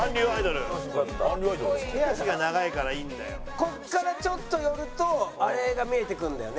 ここからちょっと寄るとあれが見えてくるんだよね。